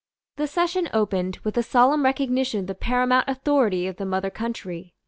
The session opened with a solemn recognition of the paramount authority of the mother country.